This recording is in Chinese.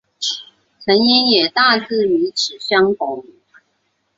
成因也大致与此相同。